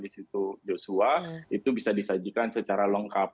itu jusua itu bisa disajikan secara lengkap